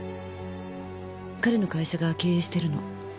彼の会社が経営してるの。